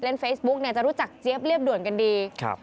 เฟซบุ๊กเนี่ยจะรู้จักเจี๊ยบเรียบด่วนกันดีครับ